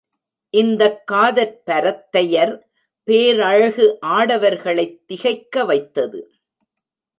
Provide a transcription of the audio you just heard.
இந்தக் காதற்பரத்தையர் பேரழகு ஆடவர்களைத் திகைக்க வைத்தது.